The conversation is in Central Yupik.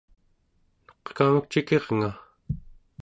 neqkamek cikirnga!